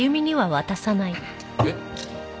えっ？